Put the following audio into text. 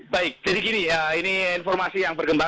baik jadi gini ini informasi yang berkembang